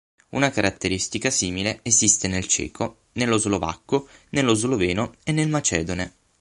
Una caratteristica simile esiste nel ceco, nello slovacco, nello sloveno e nel macedone.